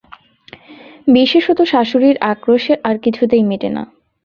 বিশেষত শাশুড়ির আক্রোশ আর কিছুতেই মেটে না।